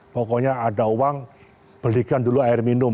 pokoknya ada uang belikan dulu air minum